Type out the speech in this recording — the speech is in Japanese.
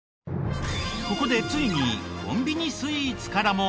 ここでついにコンビニスイーツからもランクイン。